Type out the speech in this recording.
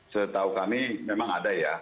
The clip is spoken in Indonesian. setahu kami memang ada ya